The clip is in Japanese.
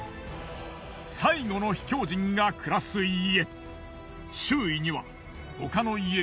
最後の秘境人が暮らす家。